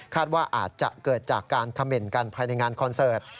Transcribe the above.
ว่าอาจจะเกิดจากการเขม่นกันภายในงานคอนเสิร์ต